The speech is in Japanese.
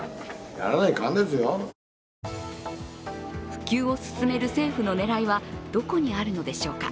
普及を進める政府の狙いはどこにあるのでしょうか。